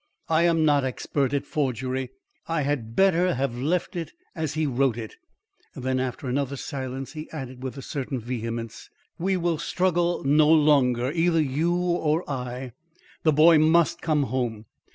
I am not expert at forgery. I had better have left it, as he wrote it." Then after another silence, he added, with a certain vehemence: "We will struggle no longer, either you or I. The boy must come home.